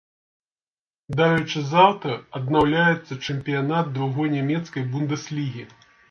Дарэчы, заўтра аднаўляецца чэмпіянат другой нямецкай бундэслігі.